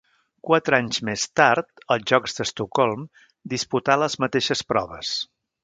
Quatre anys més tard, als Jocs d'Estocolm, disputà les mateixes proves.